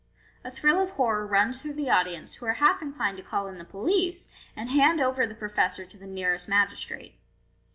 A thrill of horror runs through the audience, who are half inclined to call in the police, and hand over the professor to the nearest magis trate.